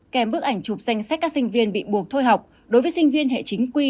kèm bức ảnh chụp danh sách các sinh viên bị buộc thôi học đối với sinh viên hệ chính quy